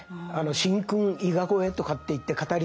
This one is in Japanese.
「神君伊賀越え」とかって言って語り継がれる